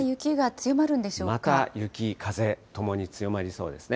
また雪、風、ともに強まりそうですね。